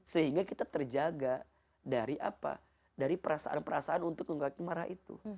sehingga kita terjaga dari apa dari perasaan perasaan untuk marah itu